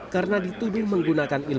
karena dituduh menggunakan ilmu sejarah